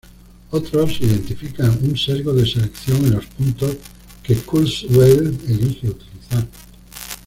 Otros identifican un sesgo de selección en los puntos que Kurzweil elige utilizar.